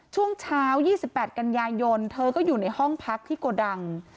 ช่วงเช้า๒๘กันยายนเธอก็อยู่ในห้องพักที่โกดัง